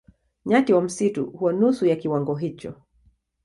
Nyati wa msitu huwa nusu ya kiwango hicho.